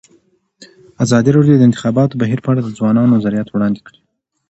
ازادي راډیو د د انتخاباتو بهیر په اړه د ځوانانو نظریات وړاندې کړي.